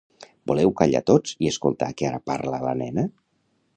Voleu callar tots i escoltar que ara parla la nena